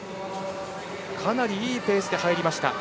かなりいいペースで入りました。